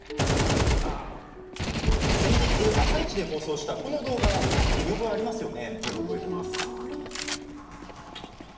先日「あさイチ」で放送したこの動画、見覚えありますよね？